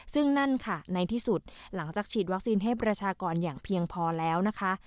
ซึ่งนั่นค่ะในที่สุดหลังจากฉีดวัคซีนให้ประชากรอย่างเพียงพอแล้วนะคะ